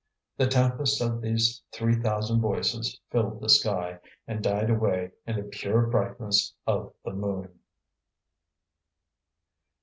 The tempest of these three thousand voices filled the sky, and died away in the pure brightness of the moon.